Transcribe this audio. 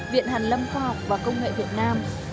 viện hàn lâm khoa học và công nghệ việt nam